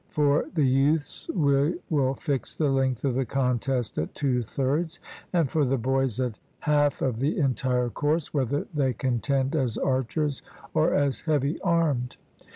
For the youths we will fix the length of the contest at two thirds, and for the boys at half of the entire course, whether they contend as archers or as heavy armed.